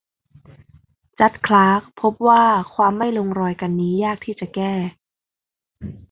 จัดจ์ คลาร์กพบว่าความไม่ลงรอยกันนี้ยากที่จะแก้